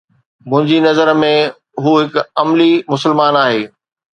منهنجي نظر ۾ هو هڪ عملي مسلمان آهي